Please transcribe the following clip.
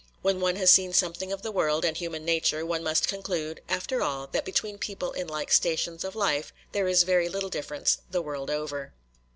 When one has seen something of the world and human nature, one must conclude, after all, that between people in like stations of life there is very little difference the world over.